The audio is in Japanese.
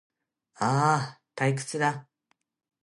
ああ、退屈だ